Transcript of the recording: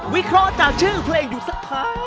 วิเคราะห์จากชื่อเพลงอยู่สักพัก